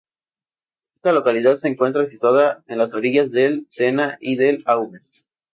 Esta localidad se encuentra situada en las orillas del Sena y del Aube.